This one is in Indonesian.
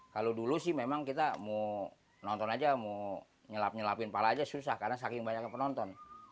kalau dulu sih memang kita mau nonton aja mau nyelap nyelapin pala aja susah karena saking banyaknya penonton